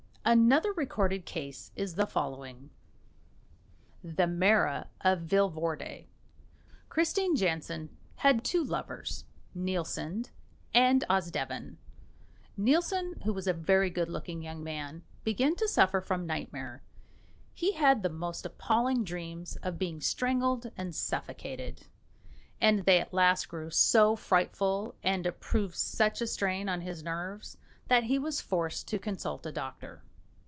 Another recorded case is the following: THE MARA OF VILVORDE Christine Jansen had two lovers Nielsen and Osdeven. Nielsen, who was a very good looking young man, began to suffer from nightmare. He had the most appalling dreams of being strangled and suffocated, and they at last grew so frightful, and proved such a strain on his nerves, that he was forced to consult a doctor.